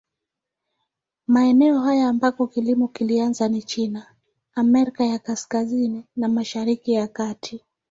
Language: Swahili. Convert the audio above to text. Maeneo haya ambako kilimo kilianza ni China, Amerika ya Kaskazini na Mashariki ya Kati.